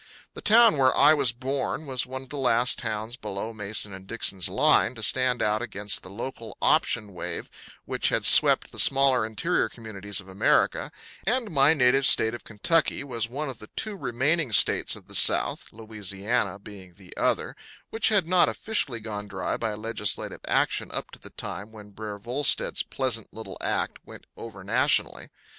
The town where I was born was one of the last towns below Mason & Dixon's Line to stand out against the local option wave which had swept the smaller interior communities of America; and my native state of Kentucky was one of the two remaining states of the South, Louisiana being the other, which had not officially gone dry by legislative action up to the time when Br'er Volstead's pleasant little act went over nationally.